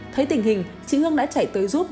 thấy tình hình chị hương đã chạy tới giúp